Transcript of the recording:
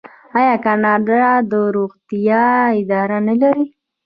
آیا کاناډا د روغتیا اداره نلري؟